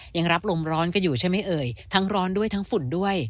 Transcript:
ยังรับลมร้อนกันอยู่ใช่ไหมเอ่ยทั้งร้อนด้วยทั้งฝุ่นด้วย